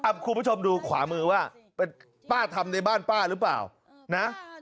คุณผู้ชมดูขวามือว่าเป็นป้าทำในบ้านป้าหรือเปล่านะ